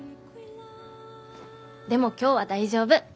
でも今日は大丈夫。